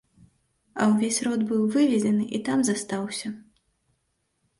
А ўвесь род быў вывезены і там застаўся.